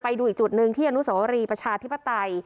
ไปดูอีกจุดหนึ่งที่อนุสวรีประชาธิปไตย